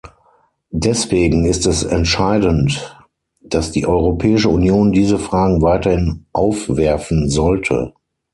Deswegen ist es entscheidend, dass die Europäische Union diese Fragen weiterhin aufwerfen sollte.